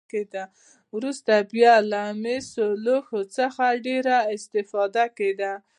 وروسته بیا له مسي لوښو څخه ډېره استفاده کېدله.